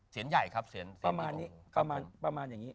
เสียงใหญ่ครับเสียงประมาณนี้ประมาณอย่างนี้